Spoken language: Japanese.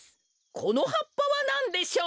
このはっぱはなんでしょう？